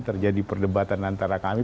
terjadi perdebatan antara kami